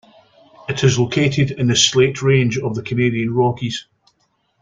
It is located in the Slate Range of the Canadian Rockies.